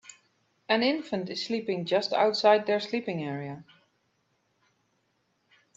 An infant is sleeping just outside their sleeping area.